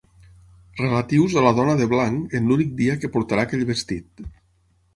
Relatius a la dona de blanc en l'únic dia que portarà aquell vestit.